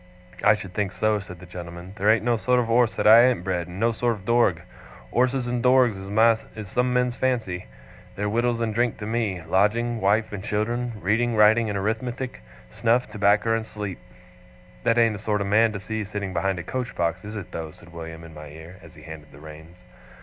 'I should think so,' said the gentleman. 'There ain't no sort of orse that I ain't bred, and no sort of dorg. Orses and dorgs is some men's fancy. They're wittles and drink to me lodging, wife, and children reading, writing, and Arithmetic snuff, tobacker, and sleep.' 'That ain't a sort of man to see sitting behind a coach box, is it though?' said William in my ear, as he handled the reins.